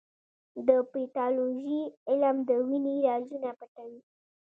د پیتالوژي علم د وینې رازونه پټوي.